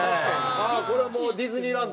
これはもうディズニーランド？